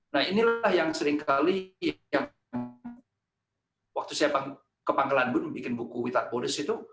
nah inilah yang seringkali yang waktu saya ke pangkalanbun bikin buku wittard boris itu